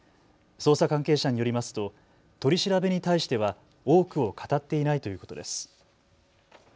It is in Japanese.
捜査関係者によりますと取り調べに対しては多くを語っていないということです。